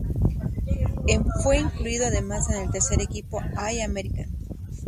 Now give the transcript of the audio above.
En fue incluido además en el tercer equipo All-American.